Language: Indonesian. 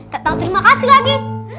tak tahu terima kasih lagi